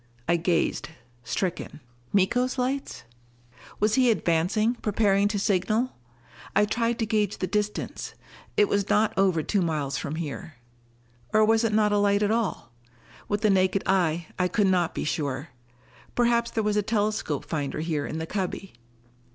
I gazed, stricken. Miko's lights? Was he advancing, preparing to signal? I tried to gauge the distance; it was not over two miles from here. Or was it not a light at all? With the naked eye, I could not be sure. Perhaps there was a telescope finder here in the cubby....